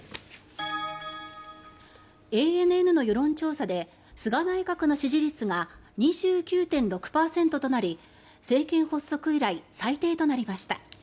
ＡＮＮの世論調査で菅内閣の支持率が２９．６％となり政権発足以来最低となりました。